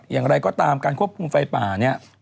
อย่างไรก็ตามการควบคุมไฟป่าเนี่ย